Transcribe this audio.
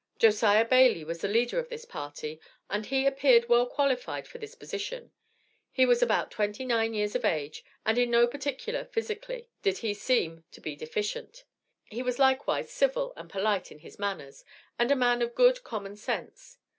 Josiah Bailey was the leader of this party, and he appeared well qualified for this position. He was about twenty nine years of age, and in no particular physically, did he seem to be deficient. He was likewise civil and polite in his manners, and a man of good common sense.